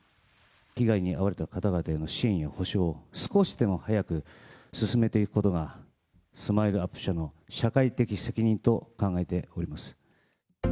被害に遭われた方々への支援や補償を少しでも早く進めていくことが、スマイルアップ社の社会的責任と考えております。